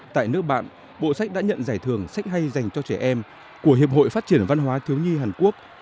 tại nước bạn bộ sách đã nhận giải thưởng sách hay dành cho trẻ em của hiệp hội phát triển văn hóa thiếu nhi hàn quốc